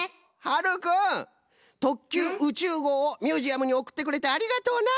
はるくん「特急宇宙号」をミュージアムにおくってくれてありがとうな。